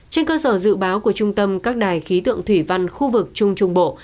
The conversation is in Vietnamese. trên cơ sở dự báo của trung tâm các đài khí tượng thủy văn khu vực trung trung bộ